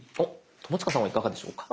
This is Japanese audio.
友近さんはいかがでしょうか？